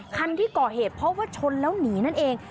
คันที่ก่อเหตุเพราะว่าชนแล้วหนีนั่นเอง